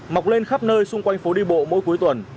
mọc lên khắp nơi xung quanh phố đi bộ mỗi cuối tuần